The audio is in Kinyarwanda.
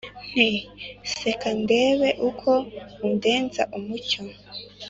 nti « seka ndebe uko undenza umucyo,